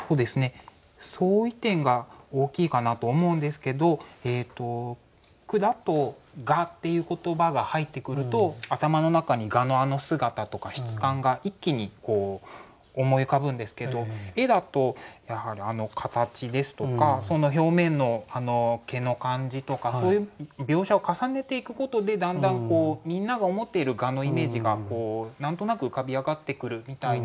相違点が大きいかなと思うんですけど句だと「蛾」っていう言葉が入ってくると頭の中に蛾のあの姿とか質感が一気に思い浮かぶんですけど絵だとやはりあの形ですとかその表面の毛の感じとかそういう描写を重ねていくことでだんだんみんなが思っている蛾のイメージが何となく浮かび上がってくるみたいな